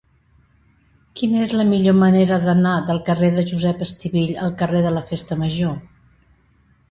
Quina és la millor manera d'anar del carrer de Josep Estivill al carrer de la Festa Major?